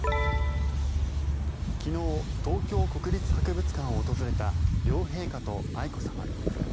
昨日東京国立博物館を訪れた両陛下と愛子さま。